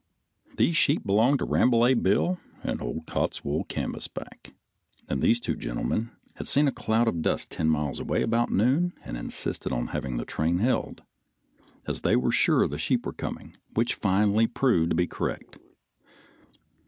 These sheep belong to Rambolet Bill and old Cottswool Canvasback, and these two gentlemen had seen a cloud of dust ten miles away about noon and insisted on having the train held, as they were sure the sheep were coming, which finally proved to be correct.